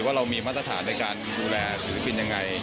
ว่าเรามีมาตรฐานในการดูแลศิลปินยังไง